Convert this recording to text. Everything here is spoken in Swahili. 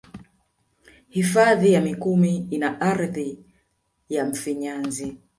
Hifadhi ya mikumi ina ardhi ya mfinyanzi